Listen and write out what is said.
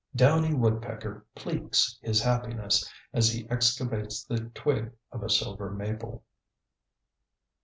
Downy woodpecker "pleeks" his happiness as he excavates the twig of a silver maple.